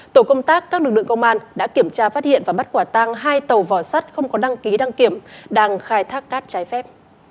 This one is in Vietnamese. tổ công tác các lực lượng công an đã kiểm tra phát hiện và bắt quả tang hai tàu vỏ sắt không có đăng ký đăng kiểm đang khai thác cát trái phép